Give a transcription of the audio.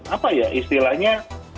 apa ya istilahnya